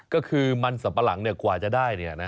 ก็คือมันสับปะหลังกว่าจะได้